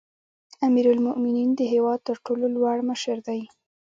امیرالمؤمنین د هیواد تر ټولو لوړ مشر دی